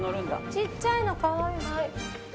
ちっちゃいのかわいい。